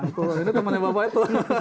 ini temannya bapak itu